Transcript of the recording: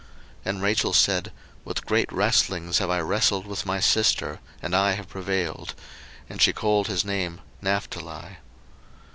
01:030:008 And Rachel said, With great wrestlings have I wrestled with my sister, and I have prevailed: and she called his name Naphtali.